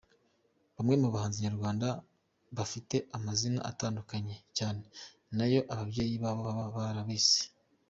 Bamwe mu bahanzi nyarwanda bafite amazina atandukanye cyane n’ayo ababyeyi babo baba barabise.